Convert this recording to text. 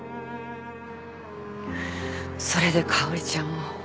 それでかおりちゃんを。